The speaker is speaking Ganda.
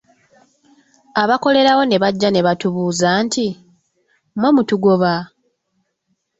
Abakolerawo ne bajja ne batubuuza nti "mmwe mutugoba?"